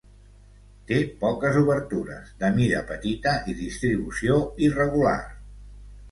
Té poques obertures, de mida petita i distribució irregular.